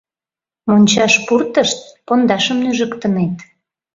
Мончаш пуртышт, пондашым нӱжыктынет.